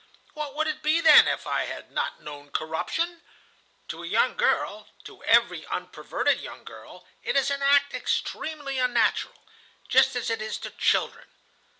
What would it be, then, if I had not known corruption? To a young girl, to every unperverted young girl, it is an act extremely unnatural, just as it is to children.